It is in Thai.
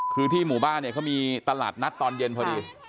คือที่หมู่บ้านเนี่ยเขามีตลาดนัดตอนเย็นพอดี